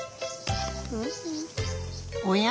おや？